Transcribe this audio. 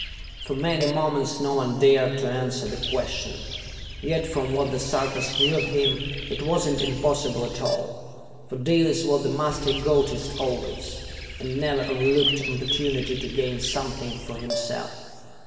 For many moments no one dared to answer the question; yet, from what the Sarkas knew of him, it was not impossible at all. For Dalis was the master egotist always, and never overlooked opportunity to gain something for himself.